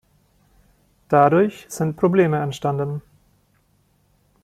Dadurch sind Probleme entstanden.